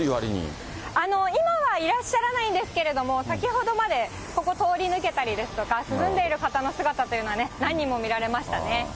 今はいらっしゃらないんですけれども、先ほどまで、ここ通り抜けたりですとか、涼んでいる方の姿というのは、何人も見られましたね。